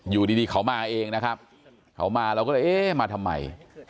อยู่ดีเขามาเองนะครับเขามาเราก็เลยเอ๊ะมาทำไม